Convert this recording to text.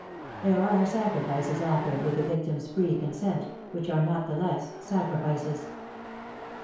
There are sacrifices offered with the victim^s free consent, which are not the less sacrifices.